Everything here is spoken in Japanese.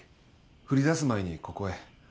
降りだす前にここへ。